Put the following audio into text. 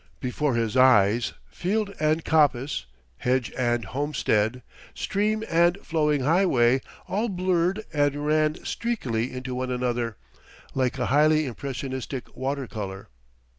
Before his eyes field and coppice, hedge and homestead, stream and flowing highway, all blurred and ran streakily into one another, like a highly impressionistic water color.